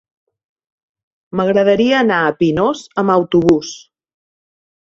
M'agradaria anar a Pinós amb autobús.